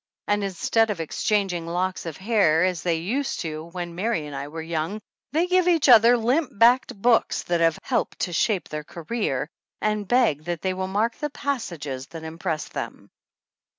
"And instead of ex changing locks of hair, as they used to when Mary and I were young, they give each other limp backed books that have 'helped to shape their career,' and beg that they will mark the passages that impress them!"